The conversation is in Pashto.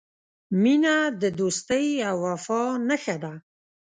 • مینه د دوستۍ او وفا نښه ده.